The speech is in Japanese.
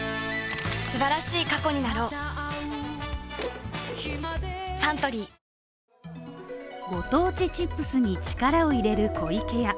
素晴らしい過去になろうご当地チップスに力を入れる湖池屋。